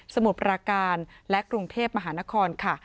มุดปราการและกรุงเทพมหานครค่ะ